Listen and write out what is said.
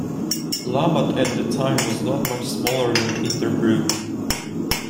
Labatt, at the time, was not much smaller than Interbrew.